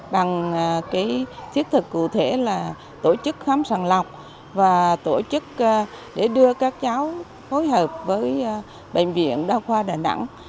bằng thiết thực cụ thể là tổ chức khám sàng lọc và tổ chức để đưa các cháu phối hợp với bệnh viện đa khoa đà nẵng